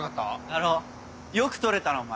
だろよく捕れたなお前。